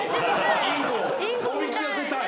インコをおびき寄せたい？